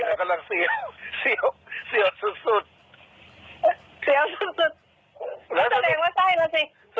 แต่กำลังเสียเสียวเสียดสุดสุดเสียวสุดสุดแล้วแสดงว่าใช่แล้วสิ